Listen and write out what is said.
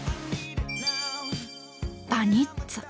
バニッツァ。